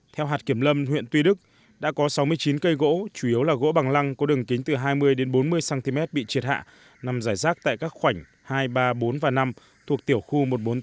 theo hạt kiểm lâm huyện tuy đức đã có sáu mươi chín cây gỗ chủ yếu là gỗ bằng lăng có đường kính từ hai mươi đến bốn mươi cm bị triệt hạ nằm giải rác tại các khoảnh hai ba bốn và năm thuộc tiểu khu một trăm bốn mươi tám